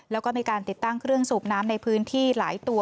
แล้วก็มีการติดตั้งเครื่องสูบน้ำในพื้นที่หลายตัว